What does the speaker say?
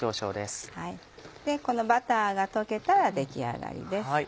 このバターが溶けたら出来上がりです。